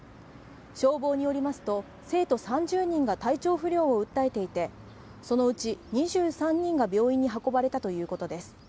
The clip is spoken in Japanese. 消防によりますと、生徒３０人が体調不良を訴えていてそのうち２３人が病院に運ばれたということです。